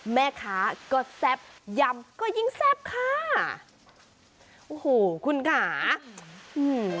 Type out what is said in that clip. แม่ค้าก็แซ่บยำก็ยิ่งแซ่บค่ะโอ้โหคุณค่ะอืม